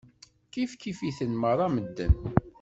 Kifkif-iten meṛṛa medden.